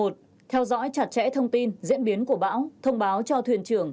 theo dõi chặt chẽ thông tin diễn biến của bão thông báo cho thuyền trưởng